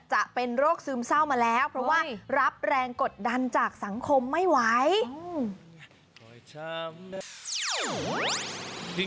จะเป็นโรคซึมเศร้ามาแล้วเพราะว่ารับแรงกดดันจากสังคมไม่ไหว